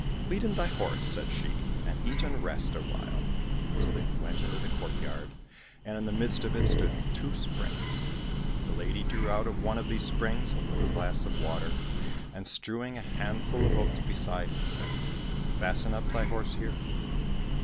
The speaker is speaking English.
" Lead in thy horse," said she, " and eat and rest awhile." So they went into the courtyard, and in the midst of it stood two springs. The lady drew out of one of these springs a little glass of water, and strewing a handful of oats beside it, said, " Fasten up thy horse here